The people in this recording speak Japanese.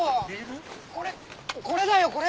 これこれだよこれ。